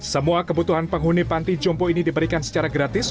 semua kebutuhan penghuni panti jompo ini diberikan secara gratis